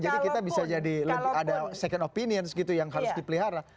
jadi kita bisa jadi ada second opinion gitu yang harus dipelihara